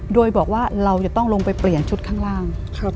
โดยบอกว่าเราจะต้องลงไปเปลี่ยนชุดข้างล่าง